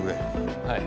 はい。